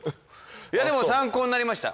でも参考になりました